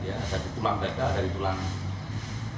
ada di tulang beda ada di tulang tiga